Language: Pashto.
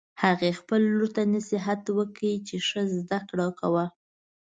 هغې خپل لور ته نصیحت وکړ چې ښه زده کړه کوه